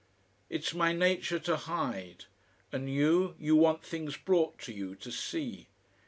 It's my nature to hide and you, you want things brought to you to see.